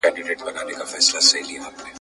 د شاوخوا سيمي